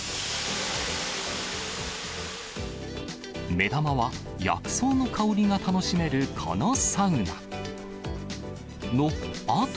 目玉は、薬草の香りが楽しめるこのサウナ。